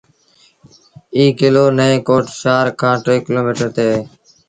ايٚ ڪلو نئيٚن ڪوٽ شآهر کآݩ ٽي ڪلوميٚٽر تي اهي۔